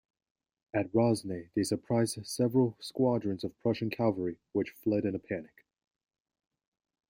At Rosnay, they surprised several squadrons of Prussian cavalry which fled in a panic.